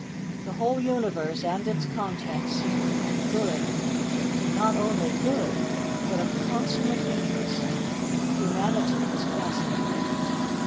The whole universe and its contents seemed to him good and not only good, but of consummate interest humanity was fascinating.